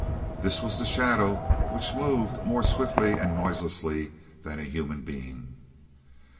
This was the shadow which moved more swiftly and noiselessly than a human being.